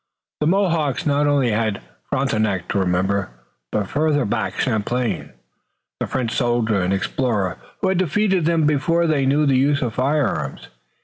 The Mohawks not only had Frontenac to remember, but further back Champlain, the French soldier and explorer, who had defeated them before they knew the use of firearms.